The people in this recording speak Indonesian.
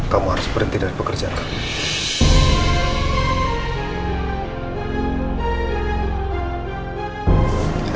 kamu harus berhenti dari pekerjaan kamu